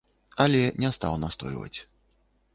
Але не стаў настойваць.